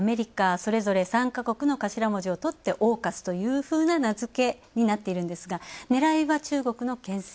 それぞれ３か国の頭文字をとってＡＵＫＵＳというふうな名付けになっているんですがねらいは中国のけん制。